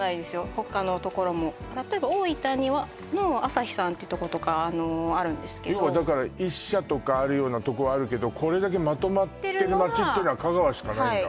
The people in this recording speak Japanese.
他のところも例えば大分のアサヒさんってとことかあるんですけど要は１社とかあるようなとこはあるけどこれだけまとまってる町ってのは香川しかないんだ？